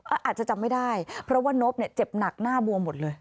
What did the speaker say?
อาจจะจำไม่ได้เพราะว่านบเนี่ยเจ็บหนักหน้าบวมหมดเลย